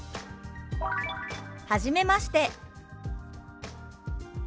「はじめまして」。